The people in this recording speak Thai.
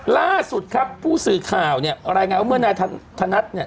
ล่าสุดครับผู้สื่อข่าวเนี่ยรายงานว่าเมื่อนายธนัดเนี่ย